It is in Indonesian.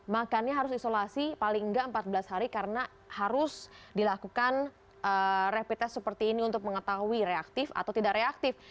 makannya harus isolasi paling enggak empat belas hari karena harus dilakukan rapid test seperti ini untuk mengetahui reaktif atau tidak reaktif